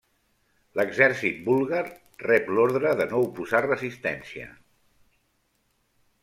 L'Exèrcit búlgar rep l'ordre de no oposar resistència.